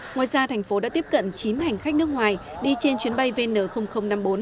ngoài ra thành phố đã tiếp cận chín hành khách nước ngoài đi trên chuyến bay vn năm mươi bốn